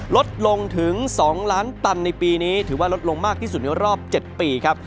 ลดลงถึง๒ล้านตันในปีนี้ถือว่าลดลงมากที่สุดในรอบ๗ปีครับ